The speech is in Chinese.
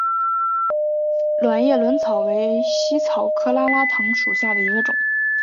卵叶轮草为茜草科拉拉藤属下的一个种。